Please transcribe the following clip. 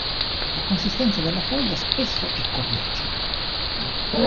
La consistenza della foglia spesso è coriacea.